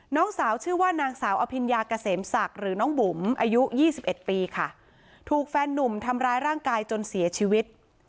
น้องสาวชื่อว่านางสาวอภิญญาเกษมศักดิ์หรือน้องบุ๋มอายุยี่สิบเอ็ดปีค่ะถูกแฟนนุ่มทำร้ายร่างกายจนเสียชีวิต